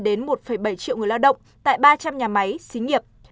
đến một bảy triệu người lao động tại ba trăm linh nhà máy xí nghiệp